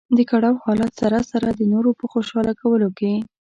د کړاو حالت سره سره د نورو په خوشاله کولو کې.